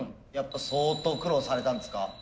やっぱ相当苦労されたんですか？